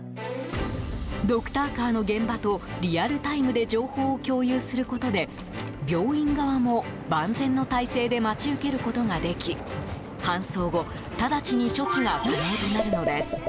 ドクターカーの現場とリアルタイムで情報を共有することで病院側も万全の態勢で待ち受けることができ搬送後、直ちに処置が可能となるのです。